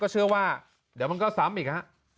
ก็เชื่อว่ามันก็ซ้ำอีก